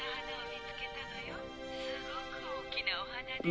すごく大きなお花でね。